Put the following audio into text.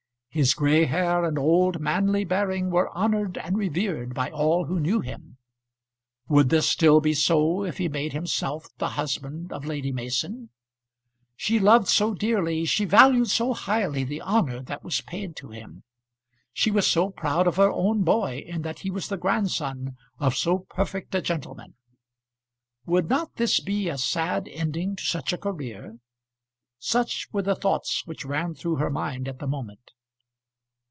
His gray hair and old manly bearing were honoured and revered by all who knew him. Would this still be so if he made himself the husband of Lady Mason? She loved so dearly, she valued so highly the honour that was paid to him! She was so proud of her own boy in that he was the grandson of so perfect a gentleman! Would not this be a sad ending to such a career? Such were the thoughts which ran through her mind at the moment.